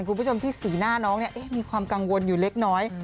คุณผู้ชมที่สีหน้าน้องเนี่ยมีความกังวลอยู่เล็กน้อย